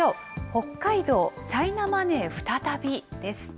北海道チャイナマネー再びです。